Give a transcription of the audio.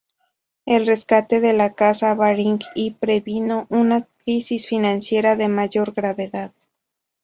El rescate a la casa Baring y previno una crisis financiera de mayor gravedad.